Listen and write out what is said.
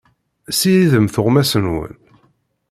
Ssiridem tuɣmas-nwen.